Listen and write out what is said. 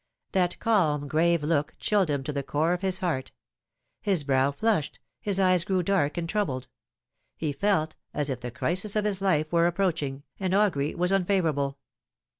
That calm, grave look chilled him to the core of his heart. His brow flushed, bis eyes grew dark and troubled. He felt as if the crisis of his life were approaching, and augury was un favourable.